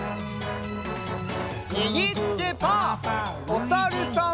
おさるさん。